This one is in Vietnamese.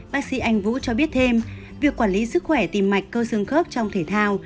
bác sĩ anh vũ cho biết thêm việc quản lý sức khỏe tìm mạch cơ dương khớp trong thể thao